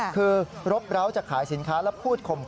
คือรบร้าวจะขายสินค้าแล้วพูดข่มกลัวนะครับ